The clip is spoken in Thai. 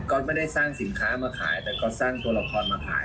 ก็ไม่ได้สร้างสินค้ามาขายแต่ก๊อตสร้างตัวละครมาขาย